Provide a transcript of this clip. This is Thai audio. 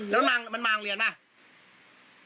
แล้วมันมากเรียนไหม